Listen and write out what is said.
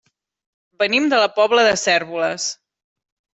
Venim de la Pobla de Cérvoles.